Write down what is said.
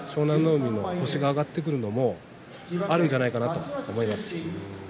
海の星が挙がってくるのもあるんじゃないかなと思います。